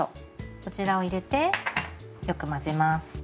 こちらを入れてよく混ぜます。